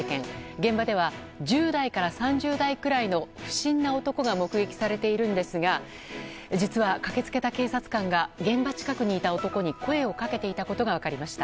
現場では１０代から３０代くらいの不審な男が目撃されているんですが実は駆けつけた警察官が現場近くにいた男に声をかけていたことが分かりました。